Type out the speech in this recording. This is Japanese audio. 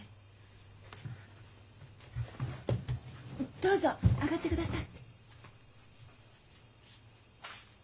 どうぞ上がってください。